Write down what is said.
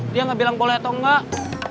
dia nggak bilang boleh atau enggak